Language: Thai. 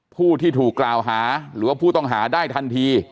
ผู้ที่ถูกกล่าวหาหรือว่าผู้ต้องหาได้ทันที